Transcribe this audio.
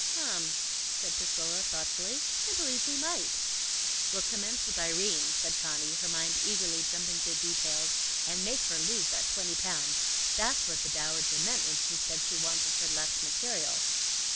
"Um," said Priscilla, thoughtfully. "I believe we might." "We'll commence with Irene," said Conny, her mind eagerly jumping to details, "and make her lose that twenty pounds. That's what the Dowager meant when she said she wanted her less material."